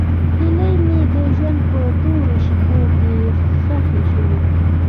هیلې مې د ژوند په تورو شپو کې ښخې شوې.